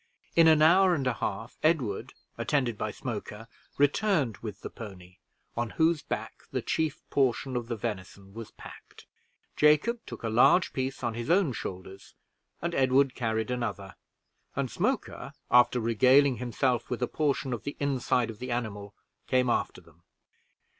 In an hour and a half, Edward, attended by Smoker, returned with the pony, on whose back the chief portion of the venison was packed. Jacob took a large piece on his own shoulders, and Edward carried another, and Smoker, after regaling himself with a portion of the inside of the animal, came after them.